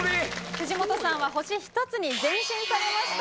藤本さんは星１つに前進されました。